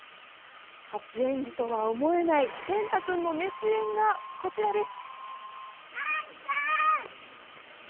初演技とは思えない天嵩君の熱演がこちらです。